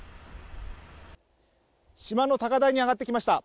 島の高台に上がってきました。